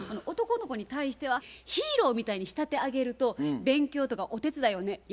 男の子に対してはヒーローみたいに仕立て上げると勉強とかお手伝いをね